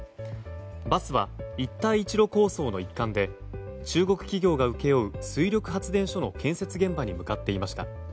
バスは、一帯一路構想の一環で中国企業が請け負う水力発電所の建設現場に向かっていました。